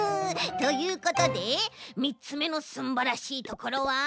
ということで３つめのすんばらしいところはこちらです！